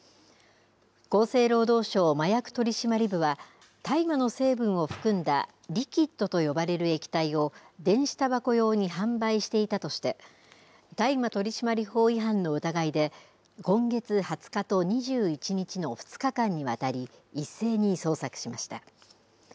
厚生労働省麻薬取締部は、大麻の成分を含んだリキッドと呼ばれる液体を、電子たばこ用に販売していたとして、大麻取締法違反の疑いで、今月２０日と２１日の２日間にわたり、一斉に捜索しました。